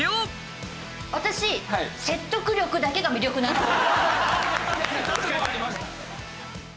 私説得力だけが魅力なんです。